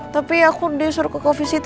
tapi aku disuruh ke covisity sama papa